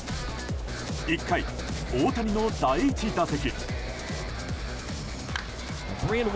１回、大谷の第１打席。